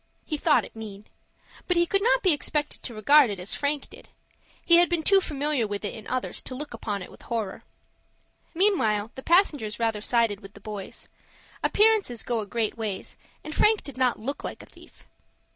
He thought it mean. But he could not be expected to regard it as Frank did. He had been too familiar with it in others to look upon it with horror. Meanwhile the passengers rather sided with the boys. Appearances go a great ways, and Frank did not look like a thief.